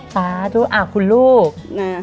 ป๊าคุณลูก